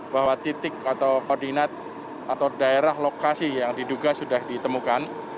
bahwa titik atau koordinat atau daerah lokasi yang diduga sudah ditemukan